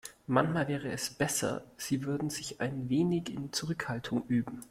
Manchmal wäre es besser, sie würde sich ein wenig in Zurückhaltung üben.